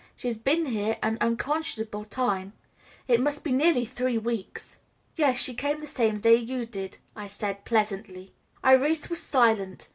She has been here an unconscionable time, it must be nearly three weeks." "Yes, she came the same day you did," I said pleasantly. Irais was silent.